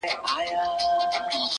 زړگى مي غواړي چي دي خپل كړمه زه.